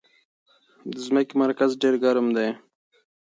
د ځمکې مرکز ډېر ګرم دی.